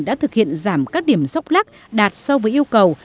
đã thực hiện giảm các điểm sóc lắc đạt so với yêu cầu